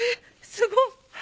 すごっ！